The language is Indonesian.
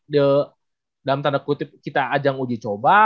dia dalam tanda kutip kita ajang uji coba